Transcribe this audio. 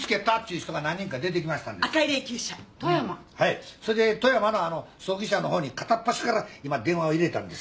はいそれで富山の葬儀社の方に片っ端から今電話を入れたんです。